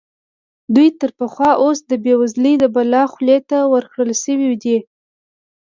دوی تر پخوا اوس د بېوزلۍ د بلا خولې ته ورکړل شوي دي.